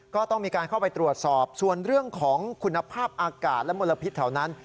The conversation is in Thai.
ก็ต้องมีการเข้าไปตรวจสอบส่วนเรื่องของคุณภาพอากาศและมลพิษแถวนั้น